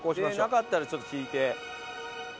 なかったらちょっと聞いて。